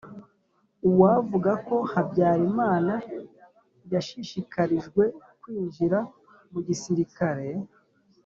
uwavuga ko habyarimana yashishikarijwe kwinjira mu gisilikare,